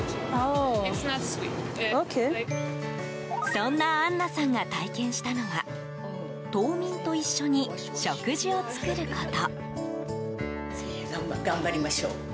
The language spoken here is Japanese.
そんなアンナさんが体験したのは島民と一緒に食事を作ること。